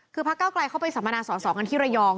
คือภาคเก้าไกลเข้าไปสัมมานาศศกันที่ระยอง